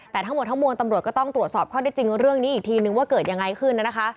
แต่ทั้งหมดทั้งมวลตำรวจก็ต้องตรวจสอบข้อได้จริงเรื่องนี้อีกทีนึงว่าเกิดยังไงขึ้นนะคะ